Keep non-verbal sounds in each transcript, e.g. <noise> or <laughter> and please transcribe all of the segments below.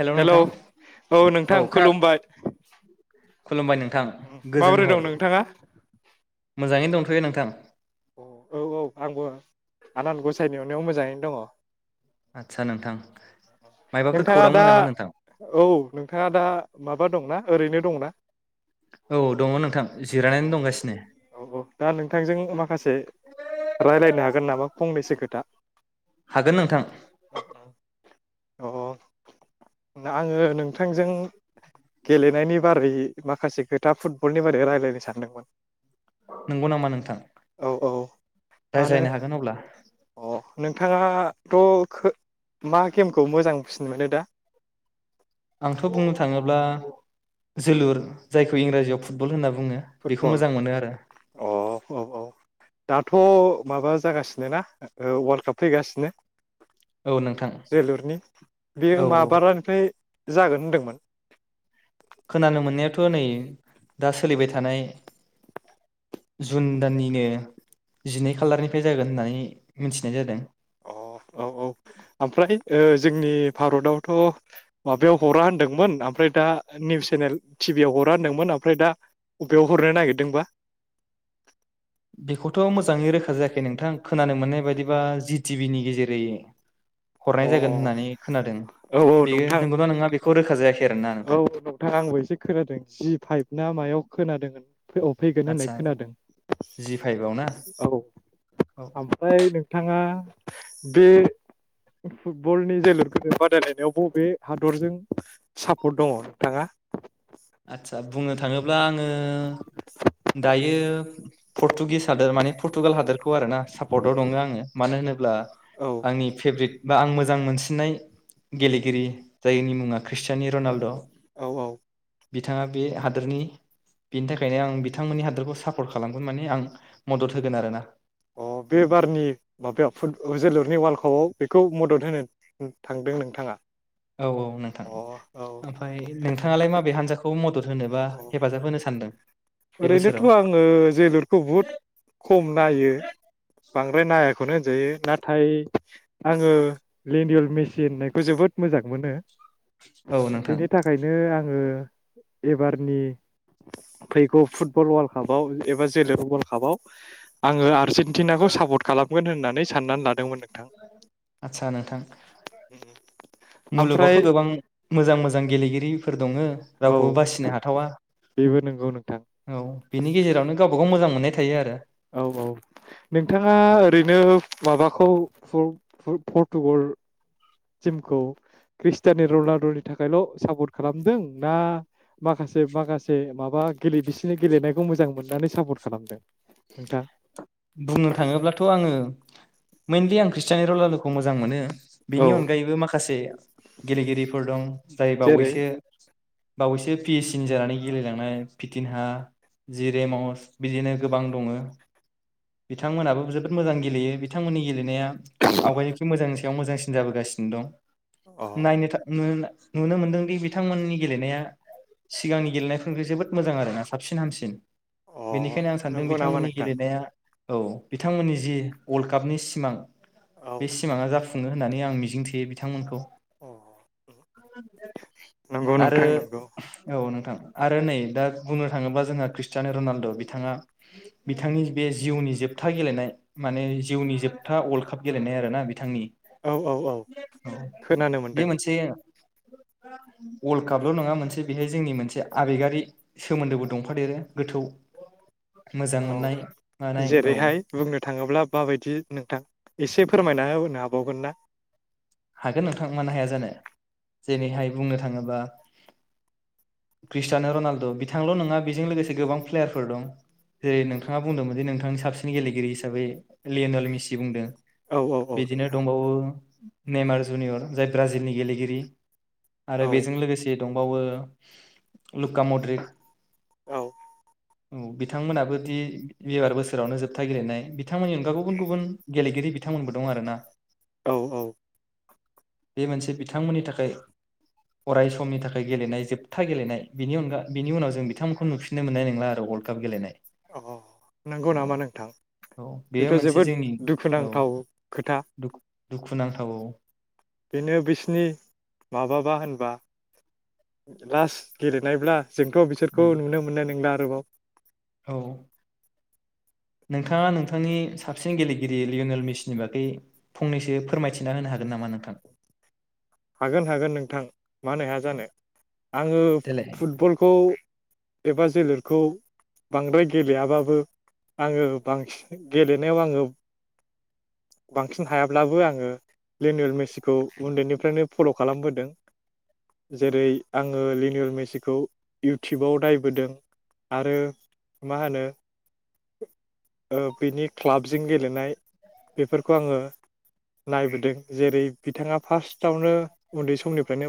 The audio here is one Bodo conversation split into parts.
हेल' हेलौ नोंथां औ नोंथां औ खोना खुलुमबाय खुलुमबाय नोंथां माबोरै गोजोन दं हर नोंथाङा मोजाङैनो दं थायो नोंथां अ औ औ आंबो आनान गसाइनि अननायाव मोजाङै दङ आदसा नोंथां मायबाफोर नोंथाङा दा खौरांमोन नामा नोंथां औ नोंथाङा दा माबा दंना ओरैनो दंना औ दङ नोंथां अ जिरायनानै दंगासिनो औ औ दा नोंथांजों माखासे रायलायनो हागोन नामा फंनैसो खोथा हागोन नोंथां <unintelligible> उम उम अ आङो नोंथांजों गेलेनायनि बारै माखासे खोथा फुटबलनि बारै रायलायनो सानदोंमोन नंगौ नामा नोंथां औ औ मानो रायज्लायनो हागोन अब्ला अ नोंथाङाथ' खो मा गेम मोजां फिसिनो मोनो दा ब्ला जोलुर जायखौ इंराजिआव फुटबल होनना बुङो बेखौ फुटबल मोजां मोनो आरो अ औ औ दाथ' माबा जागासिनो ना औ अल्ड काप फैगासिनो औ नोंथां जोलुरनि बे औ मा माबारानिफ्राय जागोन होनदोंमोन खोनानो मोननायाथ' नै दा सोलिबाय थानाय जुन दाननिनो जिनै खालारनिफ्राय जागोन होननानै मिनथिनाय जादों अ औ औ ओमफ्राय ओ जोंनि भारतआवथ' माबायाव हरा होनदोंमोन ओमफ्राय दा निउस चेनेल टिभियाव हरा होनदोंमोन ओमफ्राय दा अबेयाव हरनो नागिरदोंबा बेखौथ' मोजाङै रोखा जायाखै नोंथां खोनानो मोननाय बायदिबा जि टिभि नि गेजेरै हरनाय अ जागोन होननानै खोनादों औ औ बेयो नोंथां नंगौना नङा बेखौ रोखा जायाखै आरोना औ नोंथां नोंथां आंबो एसे खोनादों जि फाइभ ना मायाव खोनादोंमोन फोराव फैगोन होननाय आदसा खोनादों जि फाइभआव ना औ औ ओमफ्राय नोंथाङा बे फुटबलनि जोलुर गुर बादायलायनायावबो अबे हादरजों सापर्ट दङ नोंथाङा आदसा बुंनो थाङोब्ला आङो दायो पर्टुगिस हादोरमानि प्रटुगुल हादरखौ आरो ना सापर्टआव दङो आङो मानो होनोब्ला औ आंनि फेभरेट बा आं मोजां मोनसिननाय गेलेगिरि जायनि मुङा ख्रिस्टियनि रनाल्द' औ औ बिथाङा बे हादोरनि बेनि थाखायनो आं बिथांमोननि हादोरखौ सापर्ट खालामगोन माने आं मदद होगोन आरो ना अ बे बारनि माबायाव फुट जोलुरनि वार्ल्ड कापआव बेखौ मदद होनो थांदों नोंथाङा औ औ नोंथां अ औ ओमफ्राय नोंथाङालाय माबे हानजाखो खौ मदद होनोबा औ हेफाजाब होनो सानदों बे ओरैनोथ' बोसोराव आङो जोलुरखौ बुहुद खम नायो बांद्राय नायाखौनो जायो नाथाय आङो लेडयेल मेचिन होननायखौ जोबोद मोजां मोनो औ नोंथां बेनि थाखायनो आङो एबारनि फैगौ फुटबल वार्ल्ड कापाव एबा जोलेर वार्ल्ड कापाव आङो आर्जेनटिनाखौ सापर्ट खालामगोन होननानै साननानै लादों आदसा नोंथां ओमफ्राय मुलुगावथ' गोबां मोजां मोजां गेलेगिरि दंङो औ रावखौबो बासिनो हाथावा बेबो नंगौ नोंथां औ बिनिे गेजेरावनो गाव बेखौ मोजां मोन्नाय थायो आरो औ औ नोंथाङा औ ओरैनो माबाखौ <unintelligible> टिमखौ क्रिस्टियनि रनाल्द'नि थाखायल' सापर्ट खालामदों ना माखासे माखासे माबा गेले बिसिनि गेलेनायखौ मोजां मोननानै सापर्ट खालामदों नोंथां बुंनो थाङोब्लाथ' आङो मइनलि आं खृस्टिनि रनाल्द मोजां मोनो औ बिनि अनगायैबो माखासे गेलेगिरिफोर दं जाय जेरै बावैसो बावैसो पि एस सिन जानानै गेलेलांनाय फिटिनहा जिरे मावस बिदिनो गोबां दङ बिथांमोनाबो जोबोद मोजां गेलेयो बिथांमोननि गेलेनाया आवगायनि मोजां बेयाव मोजांसिन जाबोगासिनो दं अ <unintelligible> नुनो मोन्दोंदि बिथांमोननि गेलेनाया सिगांनि गेलेनायफोरनिख्रुय जोबोद मोजां आरोना साबसिन हामसिन अ बेनिखायनो आं सानदों नंगौ नामा बिथांमोननि नोंथां गेलेनाया औ बिथांमोननि जि वर्ल्ड कापनि सिमां औ बे सिमाङा जाफुङो होननानै आं मिजिं थियो बिथांमोनखौ अ <unintelligible> नंगौ आरो नोंथां नंगौ औ नोंथां आरो नै दा बुंनो थाङोबा जोंहा ख्रिस्टिान रनालद' बिथाङा बिथांनि बे जिउनि जोबथा गेलेनाय माने जिउनि जोबथा वर्ल्ड काप गेलेनाय आरोना बिथांनि औ औ औ खोनानो बे मोनदों मोनसे वर्ल्ड कापल नङा मोनसे बेहाय जोंनि मोनसे आबेगारि सोमोन्दोबो दंफादेरो गोथौ मोजां औ मोननाय मानाय औ जेरैहाय बुंनो थाङोब्ला माबायदि नोंथां एसे फोरमायना होनो हाबावगोन ना हागोन नोंथां मानो हाया जानो जेरैहाय बुंनो थाङोबा क्रिस्टिान रनालद बिथांल नङा बेजों लोगोसे गोबां प्लेयारफोर दं जेरै नोंथाङा बुंदोंमोन दि नोंथांनि साबसिन गेलेगिरि हिसाबै लेनयल मिसि बुंदों औ औ औ बिदिनो नोंथां दंबावो नेमार जुनियर जाय ब्राजिलनि गेलेगिरि आरो औ बेजों लोगोसे दंबावो लुक्का मद्रिक औ औ बिथांमोनाबो दि एबार बोसोरावनो जोबथा गेलेनाय बिथांमोननि अनगा गुबुन गुबुन गेलेगिरि बिथांमोनबो दं आरो ना औ औ बे मोनसे बिथांमोननि थाखाय अराय समनि थाखाय गेलेनाय जोबथा गेलेनाय बिनि अनगा बिनि उनाव जों बिथांमोनखौ नुफिननो मोननाय नंला आरो वर्ल्ड काप गेलेनाय अ नंगौ नामा औ नोंथां औ बेयो बेथ मोनसे जोबोद जोंनि औ दुखुनांथाव खोथा दुखु दुखुनांथाव औ बेनो बिसिनि माबाबा होनबा लास्ट गेलेनायब्ला जोंथ बिसोरखौ उम नुनो मोननाय नंला नंगौ औ नोंथाङा नोंथांनि साबसिन गेलेगिरि लियनेल मिसनि बागै फंनैसो फोरमायथिना होनो हागोन नामा नोंथां? हागोन हागोन नोंथां मानो हाया जानो आङो देलाय फुटबलखौ एबा जोलुरखौ बांद्राय गेलेयाबाबो आङो बांसिन गेलेनायाव आङो बांसिन हायाब्लाबो आङो लिनियेल मेसिखौ उन्दैनिफ्रायनो फल खालामबोदों जेरै आङो लिनियल मेसिखौ इउटुबाव नायबोदों आरो मा होनो ओ बिनि क्लाबजों गेलेनाय बेफोरखौ आङो नायबोदों जेरै बिथाङा फार्स्टआवनो उन्दै समनिफ्रायनो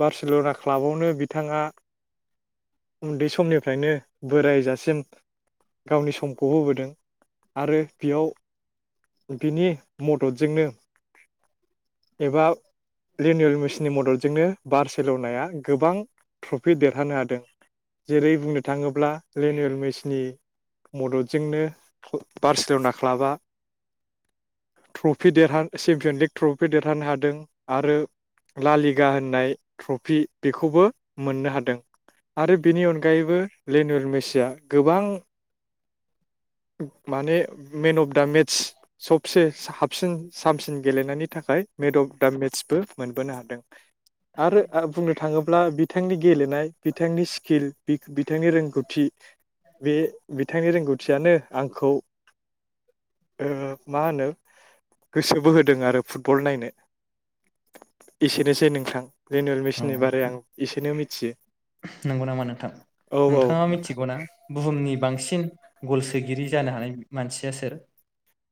बारसेलना क्लाबावनो बिथाङा उन्दै समनिफ्रायनो बोरायजासिम गावनि समखौ होबोदों आरो बेयाव बिनि मददजोंनो एबा लेनियेल मेसिनि मददजोंनो बारसेलनाया गोबां ट्रफि देरहानो हादों जेरै बुंनो थाङोब्ला लेनियेल मेसिनि मददजोंनो बारसेलना क्लाबा ट्रफि देरहा चेम्पियन लिग ट्रफि देरहानो हादों आरो लालिगा होननाय ट्रफि बेखौबो मोननो हादों आरो बेनि अनगायैबो लेनिवेल मेसिया गोबां माने मेन अफ दा मेट्स सबसे साबसिन सामसिन गेलेनायनि थाखाय मेदब दा मेट्सबो मोनबोनो हादों आरो बुंनो थाङोब्ला बिथांनि गेलेनाय बिथांनि स्किल बि बिथांनि रोंगौथि बे बिथांनि रोंगौथियानो आं खौ ओ मा होनो गोसो बो होदों आरो फुटबल नायनो एसेनोसै नोंथां लेनुवेल मेसिननि औ बारै आं एसेनो मिथियो नंगौ नामा नोंथां औ औ नोंथाङा नोंथां मिथिगौना बुहुमनि बांसिन गल सोगिरि जानो हानाय मानसिया सोर?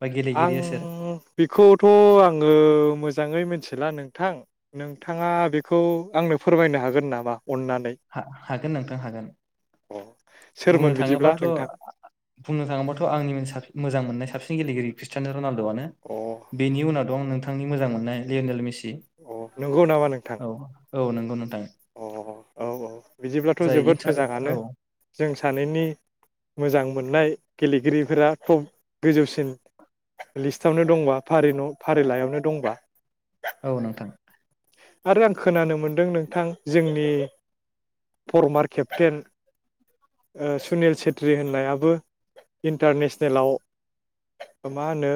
बा आं गेलेगिरिया सोर बेखौथ' आङो मोजां मोजाङै मिथिला नोंथां नोंथाङा बेखौ आंनो फोरमायनो हागोन नामा अननानै हागोन नोंथां हागोन अ सोरमोन बुंनो बिदिब्ला थाङोबाथ' नोंथां बुंनो थाङोबाथ' आंनि मोजां मोननाय साबसिन गेलेगिरि ख्रिस्टानेल रनाल्द'आनो अ बेनि उनाव दं आं नोंथां बिथांनि मोजां मोननाय लियनेल मिसि अ नंगौ नामा नोंथां औ नोंगौ नोथां अ औ औ बिदिब्लाथ' जाय जोबोद इन्टार मोजाङानो औ जों सानैनि मोजां मोननाय गेलेगिरिफोरा थब गोजौसिन लिस्टआवनो दंबा फारि फारिलाइयावनो दंबा औ नोंथां आरो आं खोनानो मोनदों नोंथां जोंनि फरमार केप्टेन सुनिल सेेथ्रि होननायाबो इन्टारनेसनेलाव मा होनो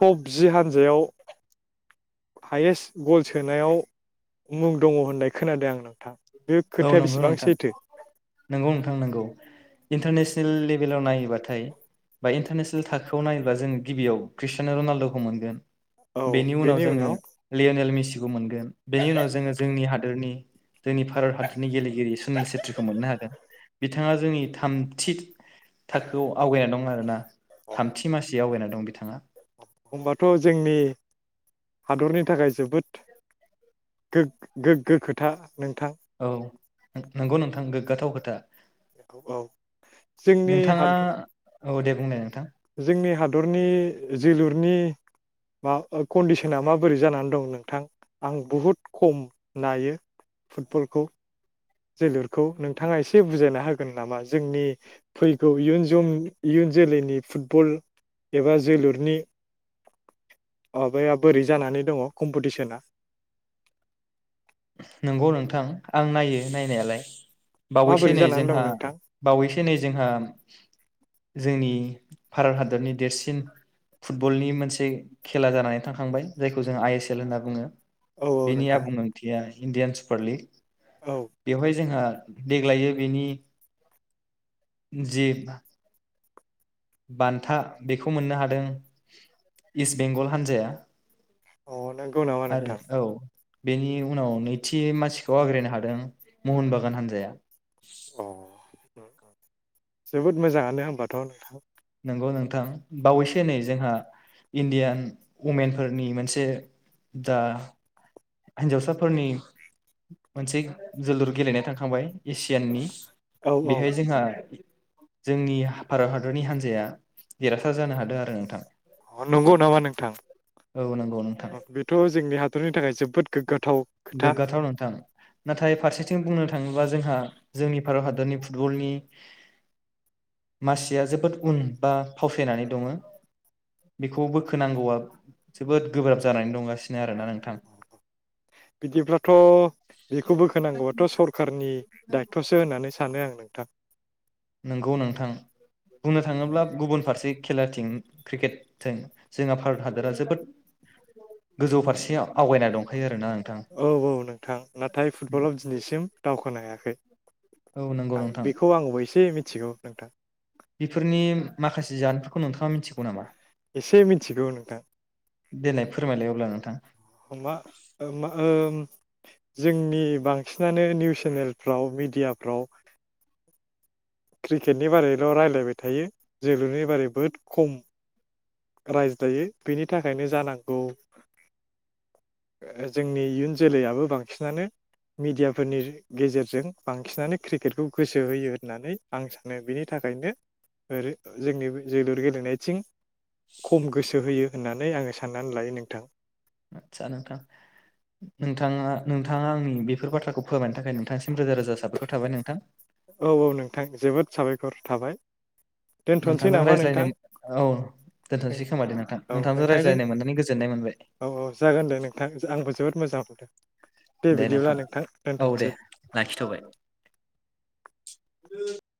टप जि हानजायाव हायेस्ट गल सोनायाव मुं दङ होननाय खोनादों आं नोंथां बे औ खोथाया नंगौ बेसेबां नोंथां सैथो नंगौ नोंथां नंगौ इन्टारनेसनेल लेभेलाव नायोबाथाय बा इन्टारनेसनेल थाखोआव नायोब्ला जोंङ गिबियाव क्रिस्टिनेल रनाल्द'खौ मोनगोन बेनि उनाव जोङो लियनेल मिसि बेनि उनाव जों जोंनि हादरनि भारत हादरनि गेलेगिरि सुनिल सेत्रिखौ मोननो हादों बिथाङा जोंनि थामथि थाखोआव आवगायना दं आरो ना थामथि माससि आवगायना दं बिथाङा होमबाथ' जोंनि हादरनि थाखाय जोबोद गो गोग्गो खोथा नोंथां औ नंगौ नोंथां गोगाथाव खोथा औ औ जोंनि नोंथाङा हादर औ दे बुंनाय नोंथां जोंनि हाद हादरनि जोलुरनि मा कन्डिसना माबोरै जानानै दं नोंथां आं बुहुद खम नायो फुटबलखौ जोलुरखौ नोंथाङा एसे बुजायना होगोन नामा जोंनि फैगौ इयुन इयुन जोलैनि फुटबल एबा जोलुरनि माबाया बोरै जानानै दङ कम्पिटिसना नंगौ नोंथां आं नायो नायनायालाय बावैसो माबोरै नै जानानै दं जोंहा नोंथां बावैसो नै जोंहा जोंनि भारत हादरनि देरसिन फुटबलनि मोनसे खेला जानानै थांखांबाय जायखौ जों आइ एस एल होनना बुङो औ औ बेनि नोंथां आबुं इन्डयानस फारलि औ बेवहाय जोंहा देग्लायो बेनि जि बान्था बेखौ मोननो हादों इस्ट बेंगल हान्जाया अ नंगौ नामा आरो नोंथां औ बेनि उनाव नैथि मासिखौ आवग्रायनो हादों महन बागान हान्जाया अ <unintelligible> जोबोद मोजाङानो होमबाथ' नंगौ नोंथां बावैसो नै जोंहा इण्डियान वमेनफोरनि मोनसे दा हिनजावसाफोरनि मोनसे जोलुर गेलेनाय थांखांबाय एसियाननि औ बेहाय जोंहा जोंनि भारत हादरनि हान्जाया देरहासार जानो हादों आरो नोंथां नंगौ नामा नोंथां औ नंगौ नोंथां बेथ' जोंनि हादरनि थाखायसो जोबोद गोग्गाथाव खोथा गोग्गाथाव नोंथां नाथाय फारसेथिं बुंनो थाङोब्ला जोंहा जोंनि भारत हादरनि फुटबलनि मासिया जोबोद उन बा फावसायनानै दङ बेखौ बोखोनांगौआ जोबोद गोब्राब जानानै दंगासिनो आरो ना नोंथां बिदिब्लाथ' बेखौ बोखोनांगौबाथ' सरखारनि दायथ'सो होननानै सानो आं नोंथां नंगौ नोंथां बुंनो थाङोब्ला गुबुन फारसे खेलाथिं क्रिकेटथिं जोंहा भारत हादरा जोबोद गोजौ फारसे आवगायना दंखायो आरोना नोंथां औ औ नोंथां नाथाय फुटबलाव दिनैसिम दावखोनो हायाखै औ नंगौ नोंथां बेखौ आंबो एसे मिथिगौ नोंथां बेफोरनि माखासे जाहोनफोरखौ नोंथाङा मिथिगौ नामा एसे मिथिगौ नोंथां देलाय फोरमायलाय अब्ला नोंथां <unintelligible> जोंनि बांसिनानो निउस चेनेलफ्राव मिडियाफ्राव क्रिकेटनि बारैल' रायलायबाय थायो जोलुरनि बारै बहुद खम रायज्लायो बेनि थाखायनो जानांगौ जोंनि इयुन जोलैयाबो बांसिनानो मिडियाफोरनि गेजेरजों बांसिनानो क्रिकेटखौ गोसो होयो होननानै आं सानो बेनि थाखायनो जो जोंनि जोलुर गेलेनायथिं खम गोसो होयो होननानै आङो साननानै लायो नोंथां आदसा नोंथां नोंथाङा नोंथाङा आंनि बेफोर बाथ्राखौ फोरमायनो थाखाय नोंथांसिम रोजा रोजा साबायखर थाबाय नोंथां औ औ नोंथां जोबोद साबायखर थाबाय दोनथ'नोसै नोंथांजों नामा रायज्लायनो नोंथां औ दोनथ'नोसै खोमा दे नोंथां औ नोंथांजों रायज्लायनो मोननानै गोजोननाय मोनबाय औ औ जागोन दे नोंथां आंबो जोबोद मोजां मोनदों दे बिदिब्ला नोंथां औ दे दोनथ'सै लाखिथ'बाय <unintelligible>